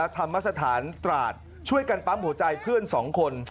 ธรรมสถานตราดช่วยกันปั๊มหัวใจเพื่อน๒คน